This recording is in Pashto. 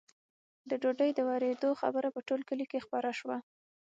د ډوډۍ د ورېدو خبره په ټول کلي کې خپره شوه.